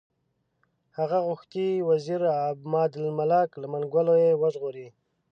هغه غوښتي وزیر عمادالملک له منګولو یې وژغوري.